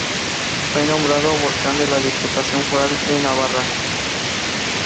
Fue nombrado vocal de la Diputación Foral de Navarra.